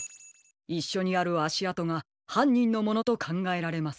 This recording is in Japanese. いっしょにあるあしあとがはんにんのものとかんがえられます。